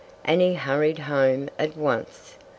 And he hurried home at once.